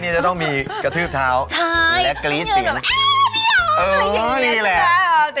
ไม่ใช่เนี่ยหรอกครับใช่ไม่เหนียวสิเออไม่เอาอย่างนี้แหละแต่เดี๋ยวจริงไม่มีใครทำแล้ว